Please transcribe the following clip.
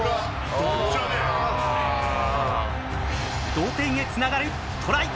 同点へつながるトライ。